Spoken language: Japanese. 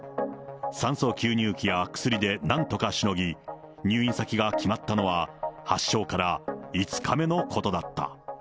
酸素吸入器や薬でなんとかしのぎ、入院先が決まったのは、発症から５日目のことだった。